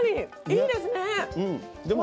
いいですね。